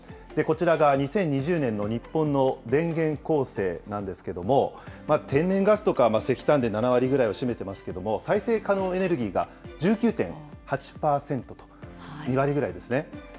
こちらが２０２０年の日本の電源構成なんですけれども、天然ガスとか石炭で７割ぐらいを占めてますけれども、再生可能エネルギーが１９．８％と、２割ぐらいですね。